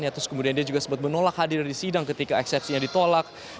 ya terus kemudian dia juga sempat menolak hadir di sidang ketika eksepsinya ditolak